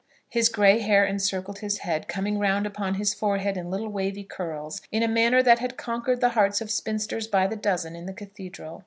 His grey hair encircled his head, coming round upon his forehead in little wavy curls, in a manner that had conquered the hearts of spinsters by the dozen in the cathedral.